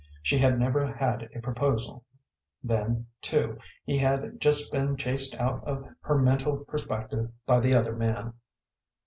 She had never had a proposal; then, too, he had just been chased out of her mental perspective by the other man.